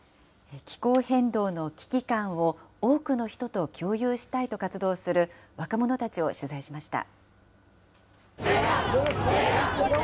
気候変動の危機感を多くの人と共有したいと活動する若者たちを取材しました。